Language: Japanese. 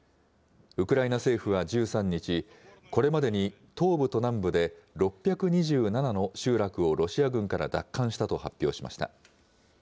ウクライナ政府は１３日、これまでに東部と南部で、６２７の集落をロシア軍から奪還したと発表しました。